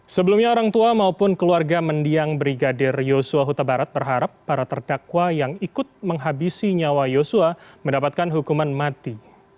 sebelumnya orang tua maupun keluarga mendiang brigadir yosua huta barat berharap para terdakwa yang ikut menghabisi nyawa yosua mendapatkan hukuman mati